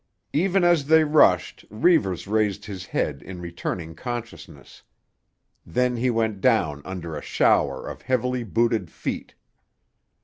Even as they rushed Reivers raised his head in returning consciousness; then he went down under a shower of heavily booted feet.